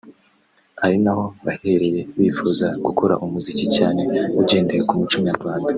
ari naho bahereye bifuza gukora umuziki cyane ugendeye ku muco nyarwanda